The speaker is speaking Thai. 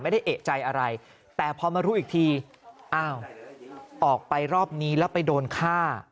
ไม่ได้เอกใจอะไรแต่พอมารู้อีกทีอ้าวออกไปรอบนี้แล้วไปโดนฆ่า